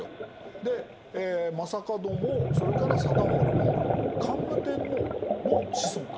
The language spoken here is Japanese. で将門もそれから貞盛も桓武天皇の子孫なんですね。